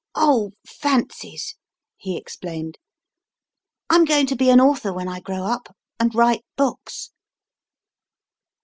Oh, fancies, he explained ; I m going to be an author when I grow up, and write books.